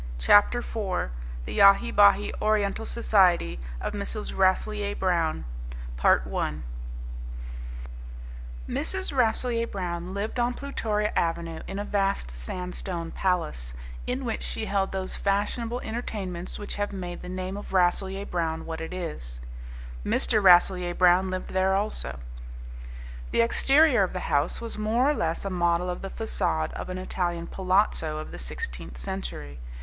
CHAPTER FOUR: The Yahi Bahi Oriental Society of Mrs. Rasselyer Brown Mrs. Rasselyer Brown lived on Plutoria Avenue in a vast sandstone palace, in which she held those fashionable entertainments which have made the name of Rasselyer Brown what it is. Mr. Rasselyer Brown lived there also. The exterior of the house was more or less a model of the facade of an Italian palazzo of the sixteenth century.